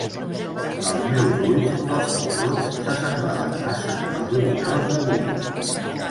Als meus ulls, els porrons s'assemblaven massa als orinals de vidre